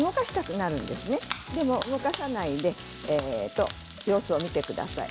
動かさないで様子を見てください。